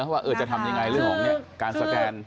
ว่าจะทำยังไงเรื่องของการสแกน